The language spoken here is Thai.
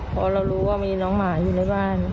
พอเรารู้ว่ามีน้องหมาอยู่ในบ้าน